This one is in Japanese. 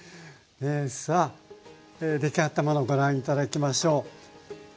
さあ出来上がったものをご覧頂きましょう。